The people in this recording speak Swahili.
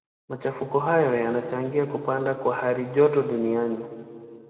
Machafuko hayo yanachangia kupanda kwa halijoto duniani.